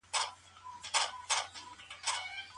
ازاد فکر کول تر ایډیالوژیک بندیز ډېر ښه دی.